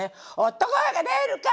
「男が出るか？